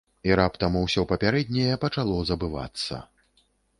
І раптам усё папярэдняе пачало забывацца.